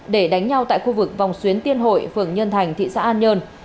để đánh nhau tại khu vực vòng xuyến tiên hội phường nhân thành thị xã an nhơn